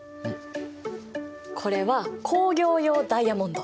これは工業用ダイヤモンド。